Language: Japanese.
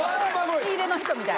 仕入れの人みたい。